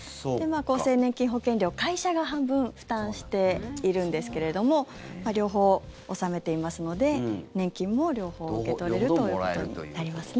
厚生年金保険料会社が半分負担しているんですが両方納めていますので年金も両方受け取れるということになりますね。